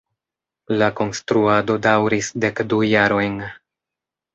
La konstruado daŭris dek du jarojn.